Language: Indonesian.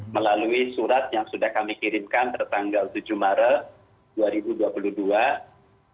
melalui surat yang sudah kami kirimkan tertanggal tujuh maret dua ribu dua puluh dua